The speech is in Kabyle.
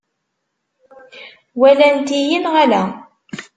Walant-iyi neɣ ala?